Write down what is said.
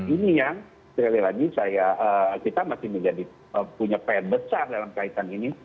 ini yang sekali lagi kita masih punya pengen besar dalam kaitan ini